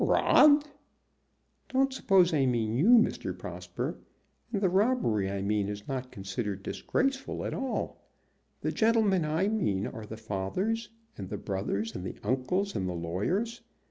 "Robbed!" "Don't suppose I mean you, Mr. Prosper; and the robbery I mean is not considered disgraceful at all. The gentlemen I mean are the fathers and the brothers, and the uncles and the lawyers.